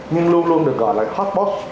nhưng luôn luôn được gọi là hot box